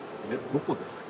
どこですか？